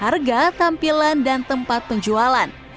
harga tampilan dan tempat penjualan